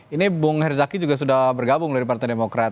ini bung herzaki juga sudah bergabung dari partai demokrat